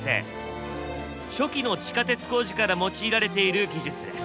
初期の地下鉄工事から用いられている技術です。